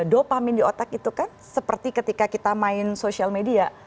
dopamin di otak itu kan seperti ketika kita main sosial media